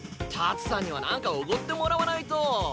タツさんにはなんかおごってもらわないと。